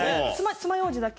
つまようじだけ。